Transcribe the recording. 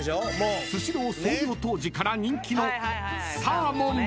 ［スシロー創業当時から人気の］